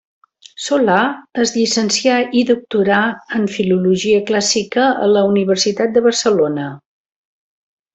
Solà es llicencià i doctorà en filologia clàssica a la Universitat de Barcelona.